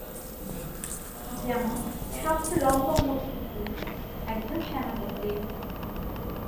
যেমন, সবচেয়ে লম্বা মূর্তিটি একজন সেনাপতির।